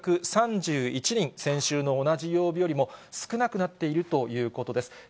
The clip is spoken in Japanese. ２５３１人、先週の同じ曜日よりも少なくなっているということです。